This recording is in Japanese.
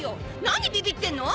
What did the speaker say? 何ビビってんの！